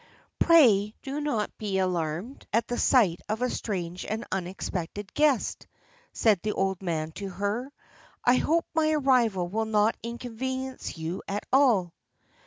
"Pray do not be alarmed at the sight of a strange and unexpected guest," said the old man to her, "I hope my arrival will not inconvenience you at all."